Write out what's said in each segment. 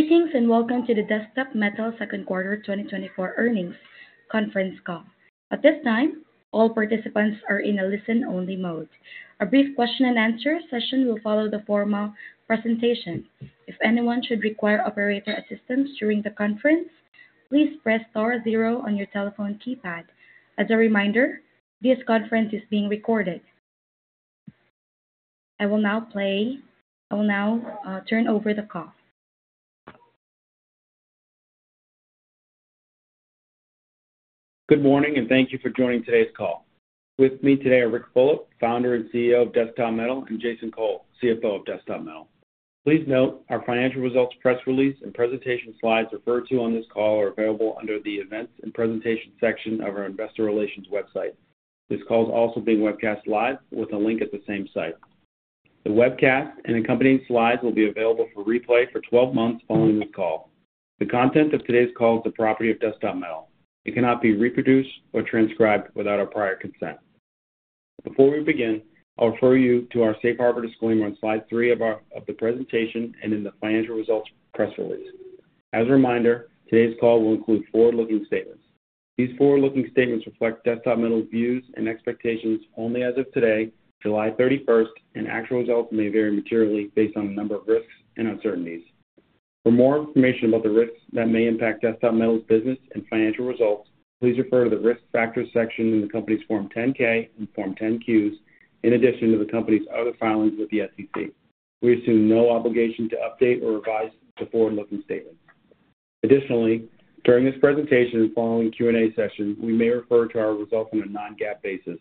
Greetings and welcome to the Desktop Metal Second Quarter 2024 earnings conference call. At this time, all participants are in a listen-only mode. A brief question-and-answer session will follow the formal presentation. If anyone should require operator assistance during the conference, please press star zero on your telephone keypad. As a reminder, this conference is being recorded. I will now turn over the call. Good morning, and thank you for joining today's call. With me today are Ric Fulop, Founder and CEO of Desktop Metal, and Jason Cole, CFO of Desktop Metal. Please note our financial results press release and presentation slides referred to on this call are available under the Events and Presentations section of our Investor Relations website. This call is also being webcast live with a link at the same site. The webcast and accompanying slides will be available for replay for 12 months following this call. The content of today's call is the property of Desktop Metal. It cannot be reproduced or transcribed without our prior consent. Before we begin, I'll refer you to our Safe Harbor disclaimer on slide 3 of the presentation and in the financial results press release. As a reminder, today's call will include forward-looking statements. These forward-looking statements reflect Desktop Metal's views and expectations only as of today, July 31st, and actual results may vary materially based on a number of risks and uncertainties. For more information about the risks that may impact Desktop Metal's business and financial results, please refer to the risk factors section in the company's Form 10-K and Form 10-Qs, in addition to the company's other filings with the SEC. We assume no obligation to update or revise the forward-looking statements. Additionally, during this presentation and following the Q&A session, we may refer to our results on a non-GAAP basis.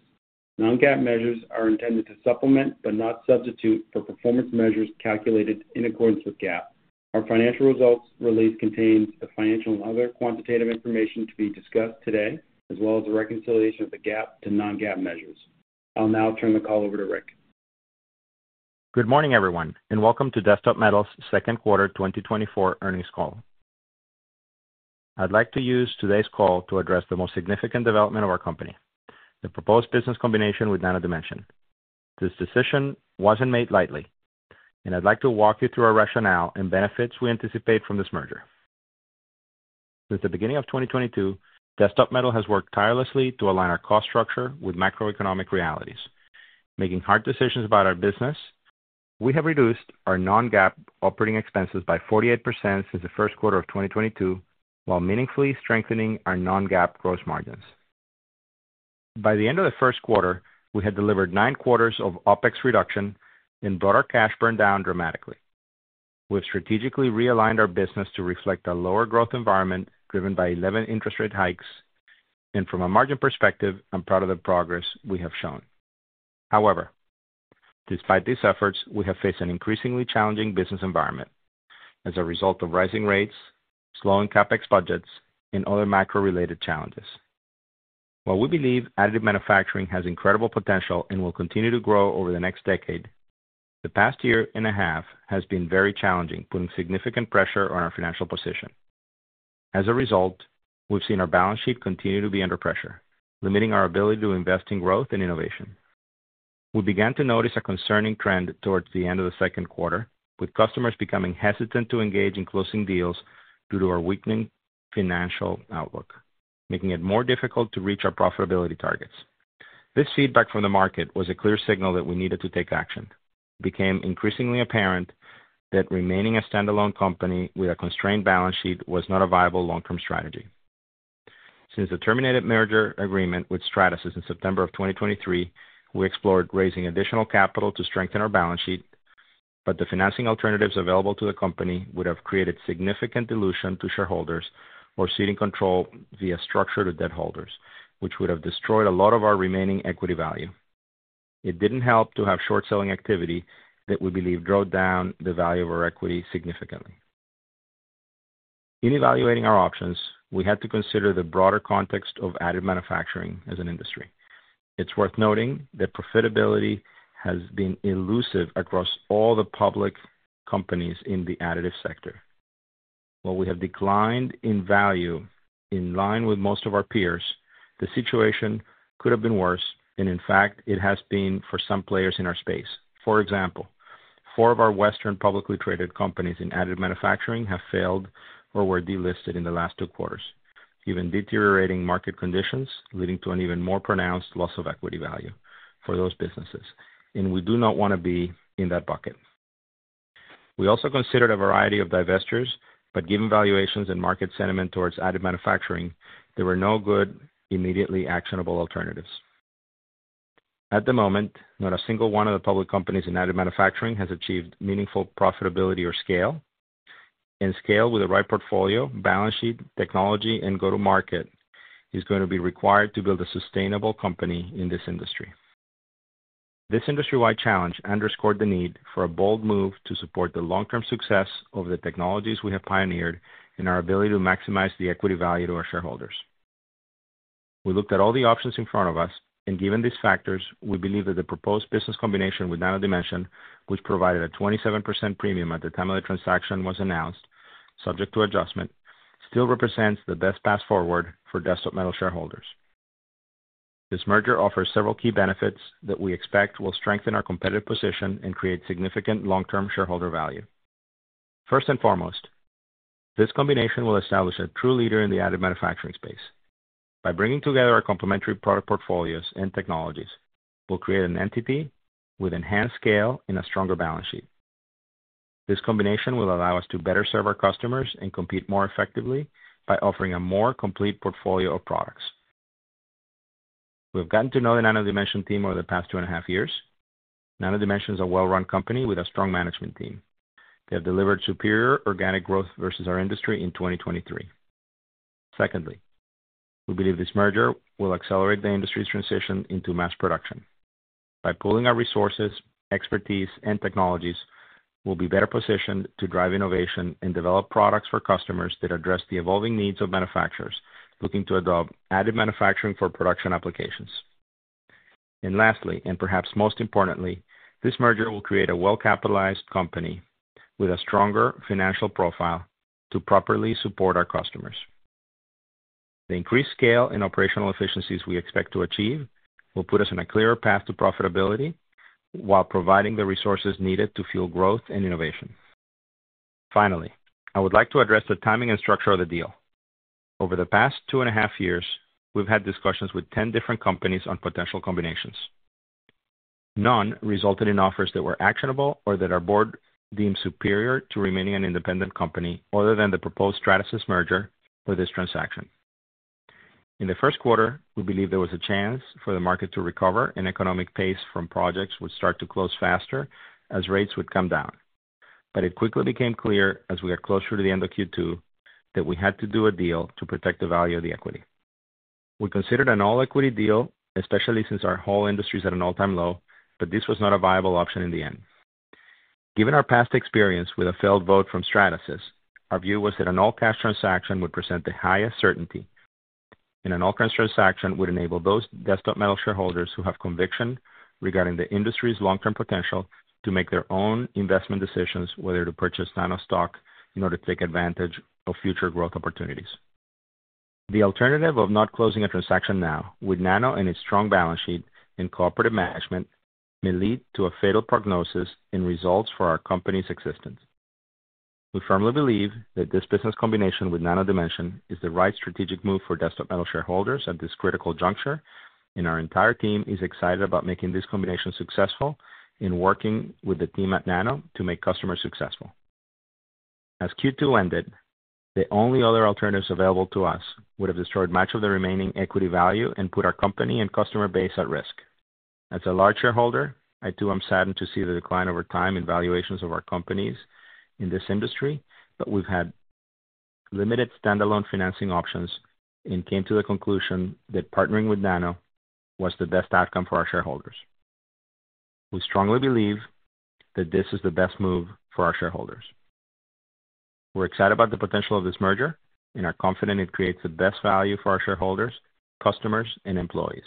Non-GAAP measures are intended to supplement but not substitute for performance measures calculated in accordance with GAAP. Our financial results release contains the financial and other quantitative information to be discussed today, as well as the reconciliation of the GAAP to non-GAAP measures. I'll now turn the call over to Ric. Good morning, everyone, and welcome to Desktop Metal's Second Quarter 2024 Earnings Call. I'd like to use today's call to address the most significant development of our company, the proposed business combination with Nano Dimension. This decision wasn't made lightly, and I'd like to walk you through our rationale and benefits we anticipate from this merger. Since the beginning of 2022, Desktop Metal has worked tirelessly to align our cost structure with macroeconomic realities, making hard decisions about our business. We have reduced our non-GAAP operating expenses by 48% since the first quarter of 2022, while meaningfully strengthening our non-GAAP gross margins. By the end of the first quarter, we had delivered nine quarters of OPEX reduction and brought our cash burn down dramatically. We have strategically realigned our business to reflect a lower growth environment driven by 11 interest rate hikes, and from a margin perspective, I'm proud of the progress we have shown. However, despite these efforts, we have faced an increasingly challenging business environment as a result of rising rates, slowing CAPEX budgets, and other macro-related challenges. While we believe additive manufacturing has incredible potential and will continue to grow over the next decade, the past year and a half has been very challenging, putting significant pressure on our financial position. As a result, we've seen our balance sheet continue to be under pressure, limiting our ability to invest in growth and innovation. We began to notice a concerning trend towards the end of the second quarter, with customers becoming hesitant to engage in closing deals due to our weakening financial outlook, making it more difficult to reach our profitability targets. This feedback from the market was a clear signal that we needed to take action. It became increasingly apparent that remaining a standalone company with a constrained balance sheet was not a viable long-term strategy. Since the terminated merger agreement with Stratasys in September of 2023, we explored raising additional capital to strengthen our balance sheet, but the financing alternatives available to the company would have created significant dilution to shareholders or ceding control via structured or debt holders, which would have destroyed a lot of our remaining equity value. It didn't help to have short-selling activity that we believe drove down the value of our equity significantly. In evaluating our options, we had to consider the broader context of additive manufacturing as an industry. It's worth noting that profitability has been elusive across all the public companies in the additive sector. While we have declined in value in line with most of our peers, the situation could have been worse, and in fact, it has been for some players in our space. For example, four of our Western publicly traded companies in additive manufacturing have failed or were delisted in the last two quarters, given deteriorating market conditions leading to an even more pronounced loss of equity value for those businesses, and we do not want to be in that bucket. We also considered a variety of divestitures, but given valuations and market sentiment towards additive manufacturing, there were no good, immediately actionable alternatives. At the moment, not a single one of the public companies in additive manufacturing has achieved meaningful profitability or scale, and scale with the right portfolio, balance sheet, technology, and go-to-market is going to be required to build a sustainable company in this industry. This industry-wide challenge underscored the need for a bold move to support the long-term success of the technologies we have pioneered and our ability to maximize the equity value to our shareholders. We looked at all the options in front of us, and given these factors, we believe that the proposed business combination with Nano Dimension, which provided a 27% premium at the time of the transaction was announced, subject to adjustment, still represents the best path forward for Desktop Metal shareholders. This merger offers several key benefits that we expect will strengthen our competitive position and create significant long-term shareholder value. First and foremost, this combination will establish a true leader in the additive manufacturing space. By bringing together our complementary product portfolios and technologies, we'll create an entity with enhanced scale and a stronger balance sheet. This combination will allow us to better serve our customers and compete more effectively by offering a more complete portfolio of products. We have gotten to know the Nano Dimension team over the past two and a half years. Nano Dimension is a well-run company with a strong management team. They have delivered superior organic growth versus our industry in 2023. Secondly, we believe this merger will accelerate the industry's transition into mass production. By pooling our resources, expertise, and technologies, we'll be better positioned to drive innovation and develop products for customers that address the evolving needs of manufacturers looking to adopt additive manufacturing for production applications. And lastly, and perhaps most importantly, this merger will create a well-capitalized company with a stronger financial profile to properly support our customers. The increased scale and operational efficiencies we expect to achieve will put us on a clearer path to profitability while providing the resources needed to fuel growth and innovation. Finally, I would like to address the timing and structure of the deal. Over the past two and a half years, we've had discussions with 10 different companies on potential combinations. None resulted in offers that were actionable or that our board deemed superior to remaining an independent company other than the proposed Stratasys merger for this transaction. In the first quarter, we believed there was a chance for the market to recover and economic pace from projects would start to close faster as rates would come down. But it quickly became clear as we got closer to the end of Q2 that we had to do a deal to protect the value of the equity. We considered an all-equity deal, especially since our whole industry is at an all-time low, but this was not a viable option in the end. Given our past experience with a failed vote from Stratasys, our view was that an all-cash transaction would present the highest certainty, and an all-cash transaction would enable those Desktop Metal shareholders who have conviction regarding the industry's long-term potential to make their own investment decisions, whether to purchase Nano stock in order to take advantage of future growth opportunities. The alternative of not closing a transaction now, with Nano and its strong balance sheet and cooperative management, may lead to a fatal prognosis in results for our company's existence. We firmly believe that this business combination with Nano Dimension is the right strategic move for Desktop Metal shareholders at this critical juncture, and our entire team is excited about making this combination successful and working with the team at Nano to make customers successful. As Q2 ended, the only other alternatives available to us would have destroyed much of the remaining equity value and put our company and customer base at risk. As a large shareholder, I too am saddened to see the decline over time in valuations of our companies in this industry, but we've had limited standalone financing options and came to the conclusion that partnering with Nano was the best outcome for our shareholders. We strongly believe that this is the best move for our shareholders. We're excited about the potential of this merger, and are confident it creates the best value for our shareholders, customers, and employees.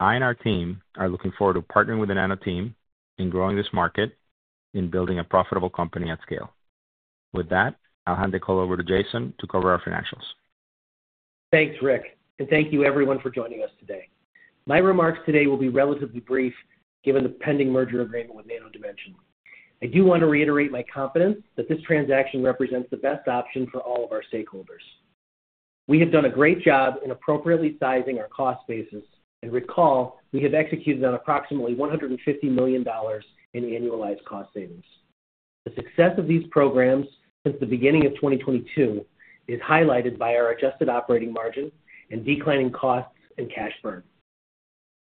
I and our team are looking forward to partnering with the Nano team in growing this market and building a profitable company at scale. With that, I'll hand the call over to Jason to cover our financials. Thanks, Ric, and thank you, everyone, for joining us today. My remarks today will be relatively brief given the pending merger agreement with Nano Dimension. I do want to reiterate my confidence that this transaction represents the best option for all of our stakeholders. We have done a great job in appropriately sizing our cost basis, and recall we have executed on approximately $150 million in annualized cost savings. The success of these programs since the beginning of 2022 is highlighted by our adjusted operating margin and declining costs and cash burn.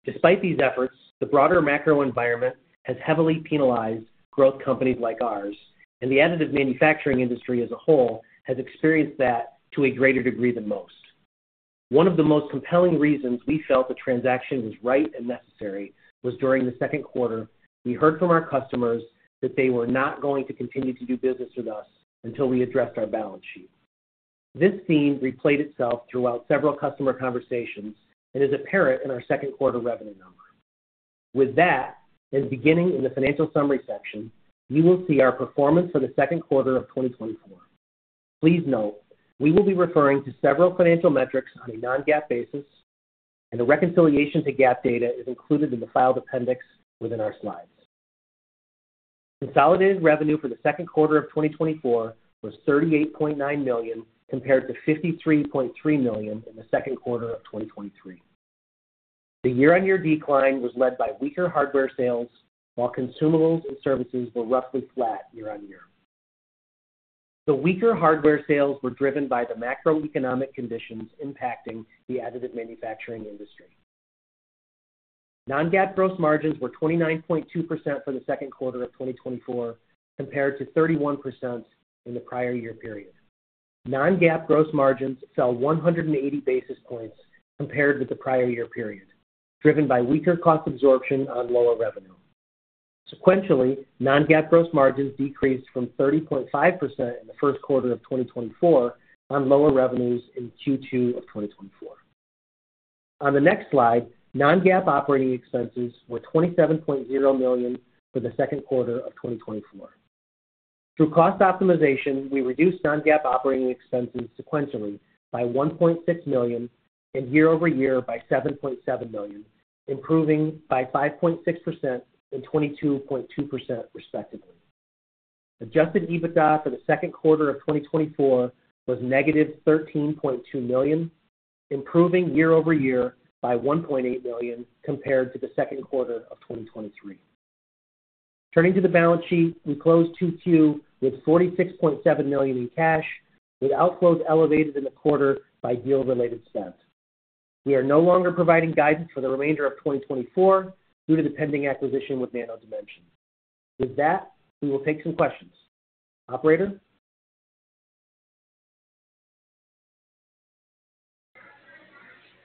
Despite these efforts, the broader macro environment has heavily penalized growth companies like ours, and the additive manufacturing industry as a whole has experienced that to a greater degree than most. One of the most compelling reasons we felt the transaction was right and necessary was during the second quarter. We heard from our customers that they were not going to continue to do business with us until we addressed our balance sheet. This theme replayed itself throughout several customer conversations and is apparent in our second quarter revenue number. With that, and beginning in the financial summary section, you will see our performance for the second quarter of 2024. Please note, we will be referring to several financial metrics on a non-GAAP basis, and the reconciliation to GAAP data is included in the filed appendix within our slides. Consolidated revenue for the second quarter of 2024 was $38.9 million compared to $53.3 million in the second quarter of 2023. The year-on-year decline was led by weaker hardware sales, while consumables and services were roughly flat year-on-year. The weaker hardware sales were driven by the macroeconomic conditions impacting the additive manufacturing industry. Non-GAAP gross margins were 29.2% for the second quarter of 2024 compared to 31% in the prior year period. Non-GAAP gross margins fell 180 basis points compared with the prior year period, driven by weaker cost absorption on lower revenue. Sequentially, non-GAAP gross margins decreased from 30.5% in the first quarter of 2024 on lower revenues in Q2 of 2024. On the next slide, non-GAAP operating expenses were $27.0 million for the second quarter of 2024. Through cost optimization, we reduced non-GAAP operating expenses sequentially by $1.6 million and year-over-year by $7.7 million, improving by 5.6% and 22.2%, respectively. Adjusted EBITDA for the second quarter of 2024 was -$13.2 million, improving year-over-year by $1.8 million compared to the second quarter of 2023. Turning to the balance sheet, we closed Q2 with $46.7 million in cash, with outflows elevated in the quarter by deal-related spend. We are no longer providing guidance for the remainder of 2024 due to the pending acquisition with Nano Dimension. With that, we will take some questions. Operator?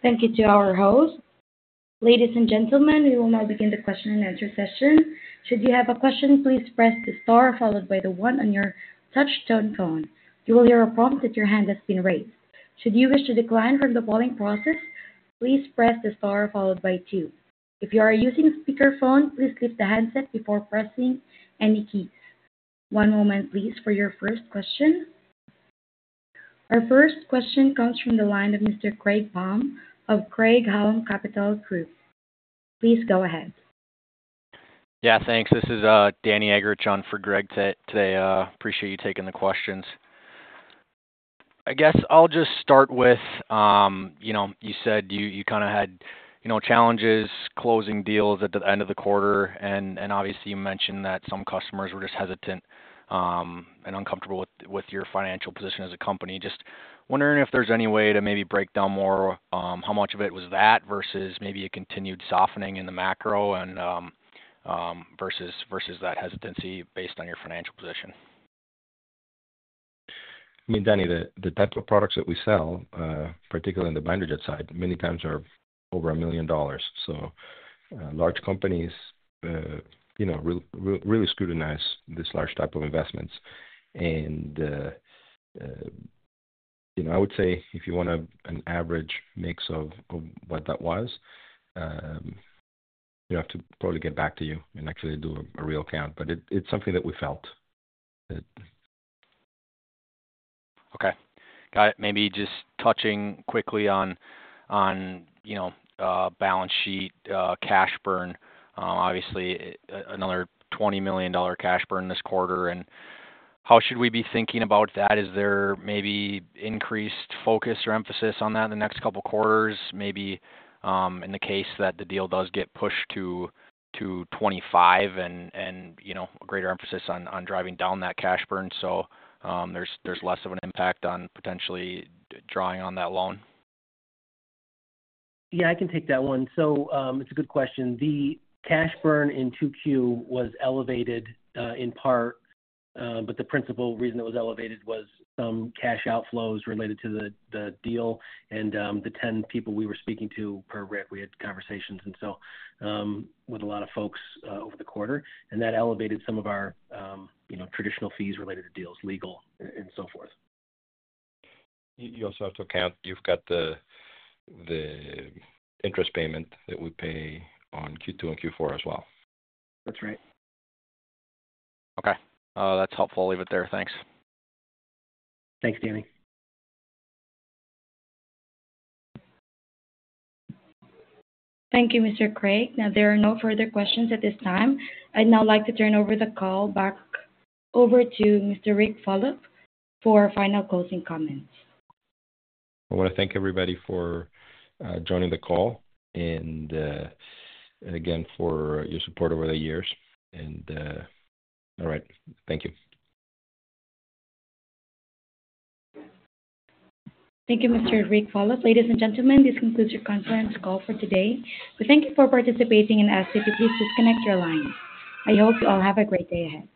Thank you to our host. Ladies and gentlemen, we will now begin the question-and-answer session. Should you have a question, please press the star followed by the one on your touch-tone phone. You will hear a prompt that your hand has been raised. Should you wish to decline from the following process, please press the star followed by two. If you are using a speakerphone, please lift the handset before pressing any keys. One moment, please, for your first question. Our first question comes from the line of Mr. Greg Palm of Craig-Hallum Capital Group. Please go ahead. Yeah, thanks. This is Danny Egger jumping for Greg today. Appreciate you taking the questions. I guess I'll just start with, you said you kind of had challenges closing deals at the end of the quarter, and obviously, you mentioned that some customers were just hesitant and uncomfortable with your financial position as a company. Just wondering if there's any way to maybe break down more how much of it was that versus maybe a continued softening in the macro versus that hesitancy based on your financial position. I mean, Danny, the type of products that we sell, particularly on the binder jet side, many times are over $1 million. So large companies really scrutinize this large type of investments. And I would say if you want an average mix of what that was, you have to probably get back to you and actually do a real count. But it's something that we felt. Okay. Got it. Maybe just touching quickly on balance sheet cash burn. Obviously, another $20 million cash burn this quarter. And how should we be thinking about that? Is there maybe increased focus or emphasis on that in the next couple of quarters, maybe in the case that the deal does get pushed to $25 and a greater emphasis on driving down that cash burn so there's less of an impact on potentially drawing on that loan? Yeah, I can take that one. So it's a good question. The cash burn in Q2 was elevated in part, but the principal reason it was elevated was some cash outflows related to the deal. And the 10 people we were speaking to, per Ric, we had conversations and so with a lot of folks over the quarter, and that elevated some of our traditional fees related to deals, legal, and so forth. You also have to account, you've got the interest payment that we pay on Q2 and Q4 as well. That's right. Okay. That's helpful. I'll leave it there. Thanks. Thanks, Danny. Thank you, Mr. Craig-Hallum. Now, there are no further questions at this time. I'd now like to turn over the call back over to Mr. Ric Fulop for final closing comments. I want to thank everybody for joining the call and, again, for your support over the years. All right. Thank you. Thank you, Mr. Ric Fulop. Ladies and gentlemen, this concludes your conference call for today. We thank you for participating and ask that you please disconnect your lines. I hope you all have a great day ahead.